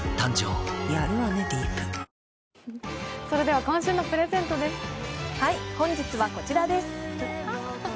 それでは今週のプレゼントです。